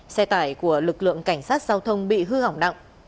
xe tải của lực lượng cảnh sát giao thông bị hư hỏng nặng